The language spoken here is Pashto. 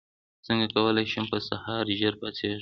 څنګه کولی شم په سهار ژر پاڅېږم